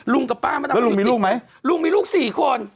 กับป้ามะดำลุงมีลูกไหมลุงมีลูกสี่คน